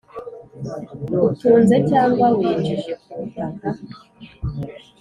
utunze cyangwa winjije ku butaka